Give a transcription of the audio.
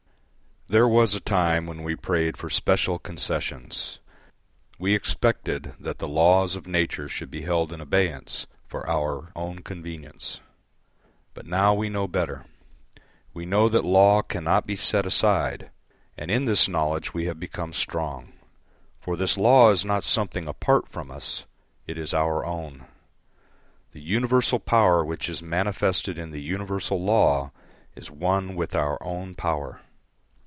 There was a time when we prayed for special concessions, we expected that the laws of nature should be held in abeyance for our own convenience. But now we know better. We know that law cannot be set aside, and in this knowledge we have become strong. For this law is not something apart from us; it is our own. The universal power which is manifested in the universal law is one with our own power.